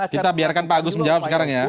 kita biarkan pak agus menjawab sekarang ya